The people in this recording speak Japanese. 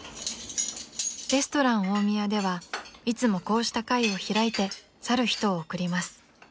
［レストラン大宮ではいつもこうした会を開いて去る人を送ります］